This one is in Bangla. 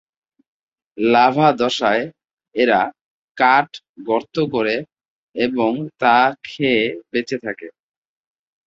লার্ভা দশায় এরা কাঠ গর্ত করে এবং তা খেয়ে বেঁচে থাকে।